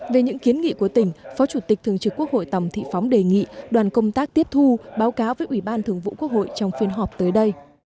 về những kiến nghị của tỉnh phó chủ tịch thường trực quốc hội tòng thị phóng đề nghị đoàn công tác tiếp thu báo cáo với ủy ban thường vụ quốc hội trong phiên họp tới đây